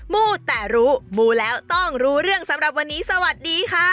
มู้แต่รู้มูแล้วต้องรู้เรื่องสำหรับวันนี้สวัสดีค่ะ